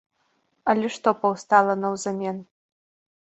Але што паўстала наўзамен?